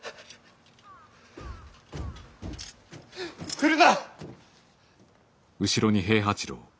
来るな！